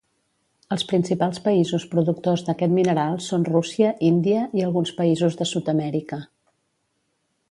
Els principals països productors d'aquest mineral són Rússia, Índia i alguns països de Sud-amèrica.